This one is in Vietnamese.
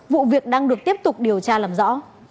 vụ việc đang được tiếp tục điều tra làm rõ